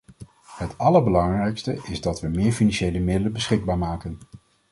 Het allerbelangrijkste is dat we meer financiële middelen beschikbaar maken.